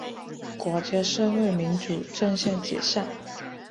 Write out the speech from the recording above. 国家社会民主阵线解散。